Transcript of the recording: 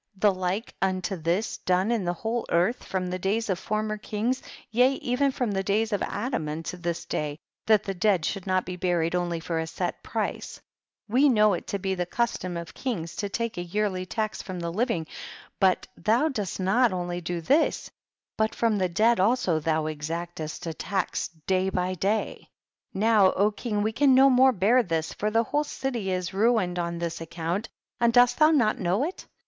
the like unto this done in the whole earth, from the days of former kings t/ea even from the days of Adam, unto this day, that the dead should not be buried onl}^ for a set price ? 19 We know it to be the custom of kings to take a yearly tax from the living, but thou dost not only do this, but from the dead also thou ex actest a tax day by day. 20. Now, king, we can no more bear this, for the whole city is ruin ed on this account, and dost thou not know it